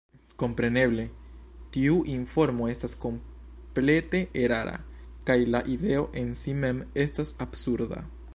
Kompreneble tiu informo estas komplete erara, kaj la ideo en si mem estas absurda.